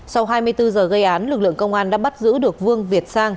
sau hai mươi bốn giờ gây án lực lượng công an đã bắt giữ được vương việt sang